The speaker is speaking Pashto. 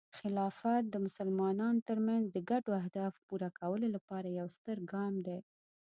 خلافت د مسلمانانو ترمنځ د ګډو اهدافو پوره کولو لپاره یو ستر ګام دی.